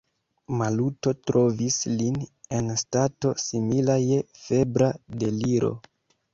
Maluto trovis lin en stato, simila je febra deliro.